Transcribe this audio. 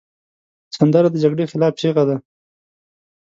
سندره د جګړې خلاف چیغه ده